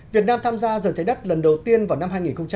việt nam tham gia giờ trái đất lần đầu tiên vào năm hai nghìn chín